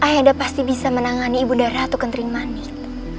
henda pasti bisa menangani ibu undang ratu kentering manik